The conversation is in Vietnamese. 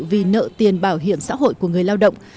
vì nợ tiền bảo hiểm xã hội của người lao động